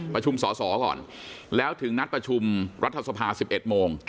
ประชุมสอสอก่อนแล้วถึงนัดประชุมรัฐสภา๑๑โมง